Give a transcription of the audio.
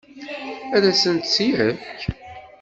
Ad asent-tt-yefk?